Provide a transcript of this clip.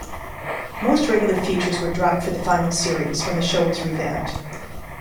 Most regular features were dropped for the final series, when the show was revamped.